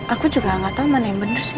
aku juga gak tau mana yang bener sih